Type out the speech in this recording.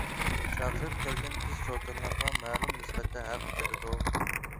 چاقىرىپ كەلگەن قىز-چوكانلارغا مەلۇم نىسبەتتە ھەق بېرىدۇ.